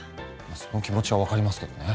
その気持ちは分かりますけどね。